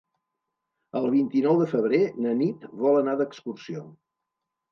El vint-i-nou de febrer na Nit vol anar d'excursió.